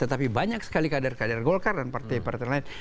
tetapi banyak sekali kader kader golkar dan partai partai lain